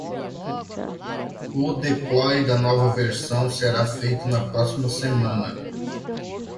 O deploy da nova versão será feito na próxima semana.